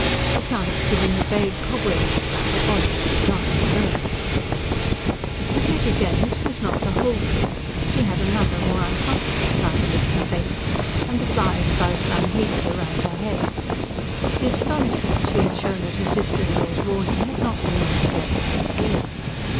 Besides giving the vague, cobwebby stuff a body it did not deserve. But yet again this was not the whole truth: she had another, more uncomfortable side of it to face; and the flies buzzed unheeded round her head. The astonishment she had shown at her sister in law's warning had not been altogether sincere.